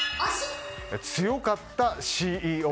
強かったＣＥＯ。